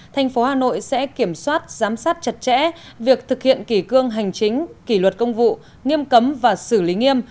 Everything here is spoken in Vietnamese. thành phố hà nội sẽ kiểm soát giám sát chặt chẽ việc thực hiện kỷ cương hành chính kỷ luật công vụ nghiêm cấm và xử lý nghiêm